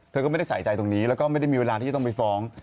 เธอก็ไม่ได้ใส่ใจตรงนี้แล้วก็ไม่ได้มีเวลาที่จะต้องไปฟ้อง